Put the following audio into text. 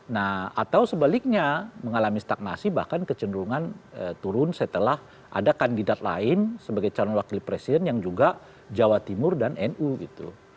nah atau sebaliknya mengalami stagnasi bahkan kecenderungan turun setelah ada kandidat lain sebagai calon wakil presiden yang juga jawa timur dan nu gitu